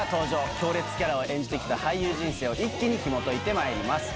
強烈キャラを演じて来た俳優人生を一気にひもといてまいります。